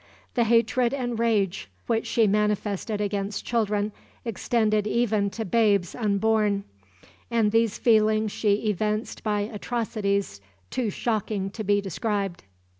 The hatred and rage which she manifested against children extended even to babes unborn, and these feelings she evinced by atrocities too shocking to be described.